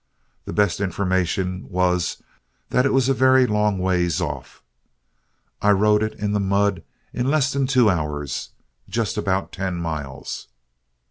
The best information was that it was a very long ways off. I rode it in the mud in less than two hours; just about ten miles.